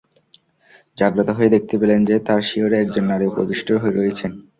জাগ্রত হয়ে দেখতে পেলেন যে, তাঁর শিয়রে একজন নারী উপবিষ্ট রয়েছেন।